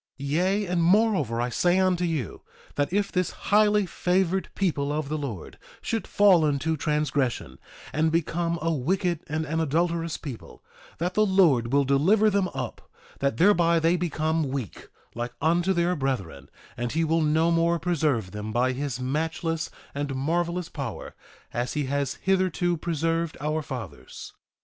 1:13 Yea, and moreover I say unto you, that if this highly favored people of the Lord should fall into transgression, and become a wicked and an adulterous people, that the Lord will deliver them up, that thereby they become weak like unto their brethren; and he will no more preserve them by his matchless and marvelous power, as he has hitherto preserved our fathers.